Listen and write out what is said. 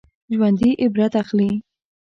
ژوندي عبرت اخلي